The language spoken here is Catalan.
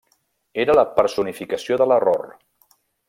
Era la personificació de l'error.